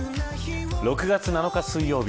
６月７日水曜日